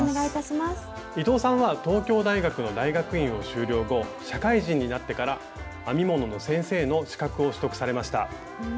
伊藤さんは東京大学の大学院を修了後社会人になってから編み物の先生の資格を取得されました。